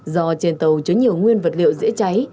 do trên tàu chứa nhiều nguyên vật liệu dễ cháy